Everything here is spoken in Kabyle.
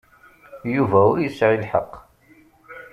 Yuba ur yesɛi lḥeqq.